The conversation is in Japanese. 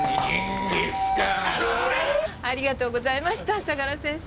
ありがとうございました相良先生。